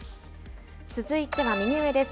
続いては右上です。